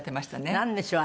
なんでしょう？